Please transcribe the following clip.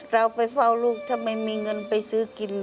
เราไปเฝ้าลูกทำไมมีเงินไปซื้อกิน